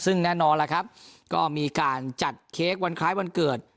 ซึ่งแน่นอนล่ะครับก็มีการจัดเค้กวันคล้ายวันเกิด